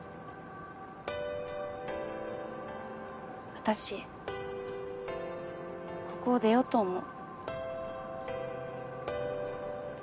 私ここを出ようと思う。